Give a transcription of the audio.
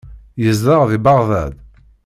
Yezdeɣ deg Beɣdad.